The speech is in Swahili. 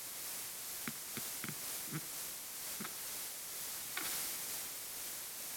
Pamoja na wengine waliandika kuhusu Mila na desturi za kabila la Waha